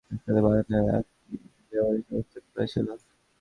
গতকাল বুধবার বেলা দেড়টা পর্যন্ত হাসপাতালের বারান্দায় লাশটি বেওয়ারিশ অবস্থায় পড়ে ছিল।